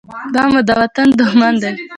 دا مو د وطن دښمن دى.